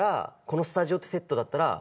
このスタジオってセットだったら。